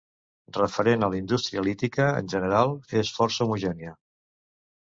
Referent a la indústria lítica, en general és força homogènia.